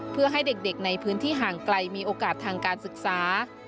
เพื่อให้เด็กในพื้นที่ห่างไกลมีโอกาสทางการศึกษา